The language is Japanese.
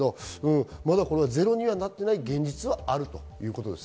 まだゼロにはなってない現実があるということです。